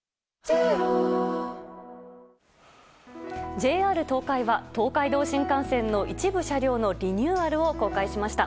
ＪＲ東海は東海道新幹線の一部車両のリニューアルを公開しました。